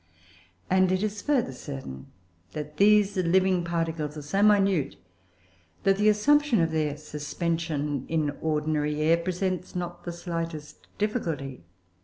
And it is further certain that these living particles are so minute that the assumption of their suspension in ordinary air presents not the slightest difficulty.